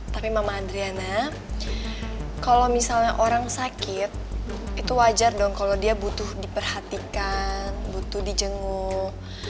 tapi mama adriana kalau misalnya orang sakit itu wajar dong kalau dia butuh diperhatikan butuh dijenguk